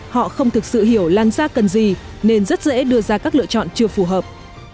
họ không thực sự hiểu làn da cần gì nên rất dễ đưa ra các lựa chọn chưa phù hợp